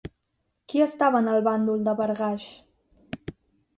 Qui estava en el bàndol de Barghash?